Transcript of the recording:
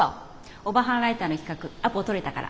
オバハンライターの企画アポとれたから。